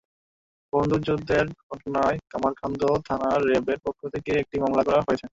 বন্দুকযুদ্ধের ঘটনায় কামারখন্দ থানায় র্যাবের পক্ষ থেকে একটি মামলা করা হয়েছে।